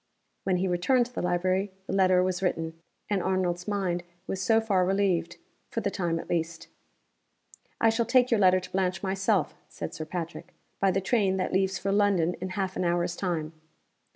When he returned to the library the letter was written; and Arnold's mind was so far relieved for the time at least. "I shall take your letter to Blanche myself," said Sir Patrick, "by the train that leaves for London in half an hour's time."